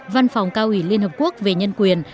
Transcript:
văn phòng cao ủy liên hợp quốc về nhân quyền